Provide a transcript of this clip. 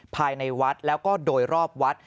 ภายในวัดแล้วก็โดยรอบวัด